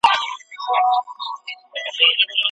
د حج په مابينځ کي مي د ده خپلي پلمې ولیدې.